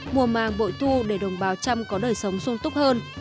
mùa màng bội thu để đồng báo trăm có đời sống xuân túc hơn